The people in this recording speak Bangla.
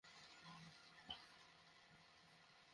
মন্দিরের ভেতরে উঁকিঝুকি মেরো না।